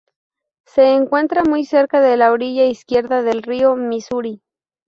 Se encuentra muy cerca de la orilla izquierda del río Misuri.